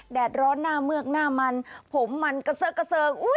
แดดร้อนหน้าเมือกหน้ามันผมมันกระเซิกกระเซิง